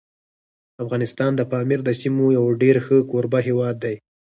افغانستان د پامیر د سیمو یو ډېر ښه کوربه هیواد دی.